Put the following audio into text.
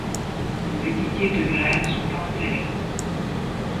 Des piquets de grève sont installés.